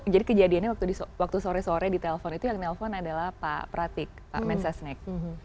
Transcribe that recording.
jadi kejadiannya waktu sore sore ditelepon itu yang ditelepon adalah pak pratik pak mensesnek